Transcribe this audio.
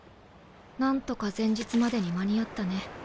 何とか前日までに間に合ったね。